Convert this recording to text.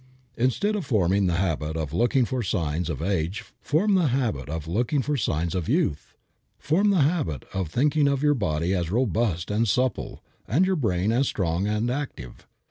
Instead of forming the habit of looking for signs of age form the habit of looking for signs of youth. Form the habit of thinking of your body as robust and supple and your brain as strong and active.